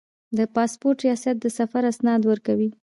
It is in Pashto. د پاسپورت ریاست د سفر اسناد ورکوي